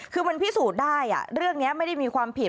คือมันพิสูจน์ได้เรื่องนี้ไม่ได้มีความผิด